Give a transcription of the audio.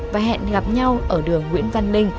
và hẹn gặp nhau ở đường nguyễn văn linh